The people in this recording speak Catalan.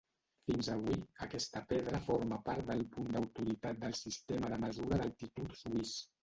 Fins avui, aquesta pedra forma part del punt d'autoritat del sistema de mesura d'altitud suís.